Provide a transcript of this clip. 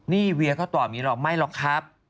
นี่เวียเขาตอบอย่างนี้หรอกไม่หรอกครับ